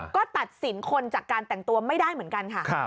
ก็ตัดสินคนจากการแต่งตัวไม่ได้เหมือนกันค่ะ